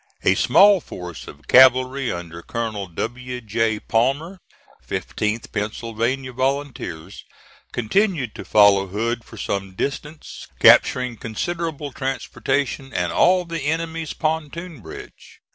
A small force of cavalry, under Colonel W. J. Palmer, 15th Pennsylvania Volunteers, continued to follow Hood for some distance, capturing considerable transportation and all the enemy's pontoon bridge.